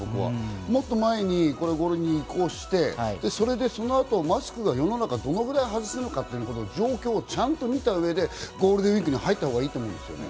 もっと前に５類に移行してそのあとマスクが世の中どれぐらい外せるか、状況をちゃんと見た上でゴールデンウイークに入ったほうがいいと思うんですね。